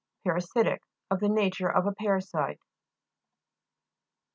PARASI'TIC Of the nature of a para site.